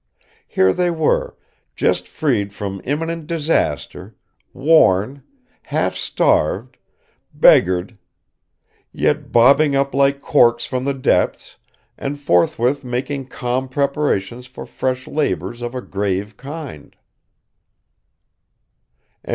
Here they were, just freed from imminent disaster, worn, half starved, beggared, yet bobbing up like corks from the depths, and forthwith making calm preparations for fresh labors of a grave kind.